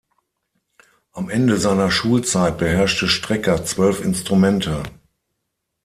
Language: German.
Am Ende seiner Schulzeit beherrschte Strecker zwölf Instrumente.